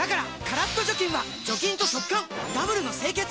カラッと除菌は除菌と速乾ダブルの清潔！